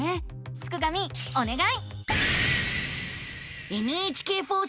すくがミおねがい！